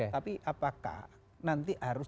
tapi apakah nanti harus